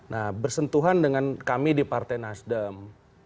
nah bersentuhan dengan kami di partai nasdem